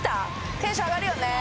テンション上がるよね。